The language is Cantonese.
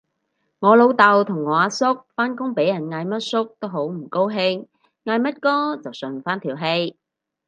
我老豆同我阿叔返工俾人嗌乜叔都好唔高興，嗌乜哥就順返條氣